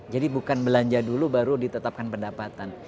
jadi bukan belanja dulu baru ditetapkan pendapatan